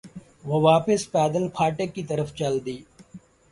وہ واپس پیدل پھاٹک کی طرف چل دی۔